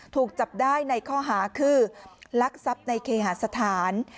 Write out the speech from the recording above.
ถูกจับได้ในข้อหาคือลักทรัพย์ในเคหาสถาน